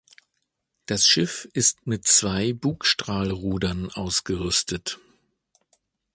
Das Schiff ist mit zwei Bugstrahlrudern ausgerüstet.